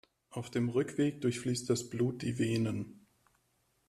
Auf dem Rückweg durchfließt das Blut die Venen.